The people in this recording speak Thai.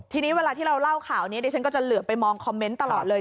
ทีนี้เวลาที่เราเล่าข่าวนี้ดิฉันก็จะเหลือไปมองคอมเมนต์ตลอดเลย